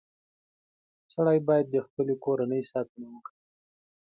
• سړی باید د خپلې کورنۍ ساتنه وکړي.